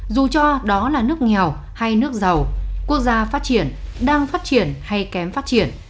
dù cho đó là nước nghèo hay nước giàu quốc gia phát triển đang phát triển hay kém phát triển